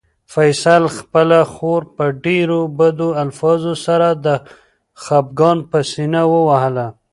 فیصل خپله خور په ډېرو بدو الفاظو سره د خپګان په سېنه ووهله.